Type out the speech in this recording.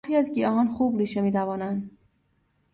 برخی از گیاهان خوب ریشه میدوانند.